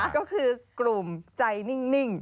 ก็คือกลุ่มใจนิ่ง